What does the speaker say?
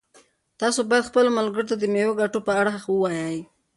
تاسو باید خپلو ملګرو ته د مېوو د ګټو په اړه ووایئ.